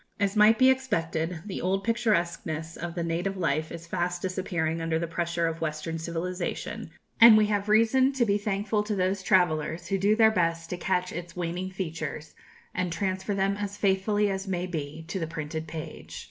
As might be expected, the old picturesqueness of the native life is fast disappearing under the pressure of Western civilization, and we have reason to be thankful to those travellers who do their best to catch its waning features, and transfer them as faithfully as may be to the printed page.